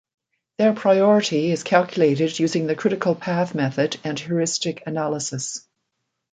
Their priority is calculated using the Critical path method and heuristic analysis.